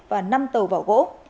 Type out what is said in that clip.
và chín tàu vỏ thép